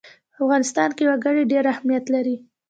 په افغانستان کې وګړي ډېر اهمیت لري.